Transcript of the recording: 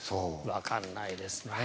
わからないですね。